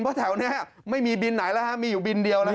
เพราะแถวนี้ไม่มีบินไหนแล้วมีอยู่บินเดียว